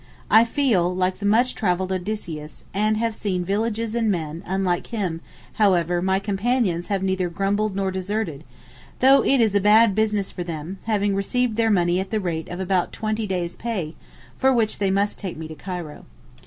I feel like the much travelled Odysseus, and have seen 'villages and men,' unlike him, however 'my companions' have neither grumbled nor deserted, though it is a bad business for them, having received their money at the rate of about twenty days' pay, for which they must take me to Cairo.